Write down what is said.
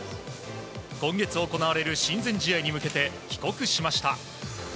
今月行われる親善試合に向けて帰国しました。